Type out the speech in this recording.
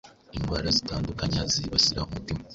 indwara zitandukanya zibasira umutima;